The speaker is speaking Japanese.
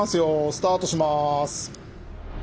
スタートします。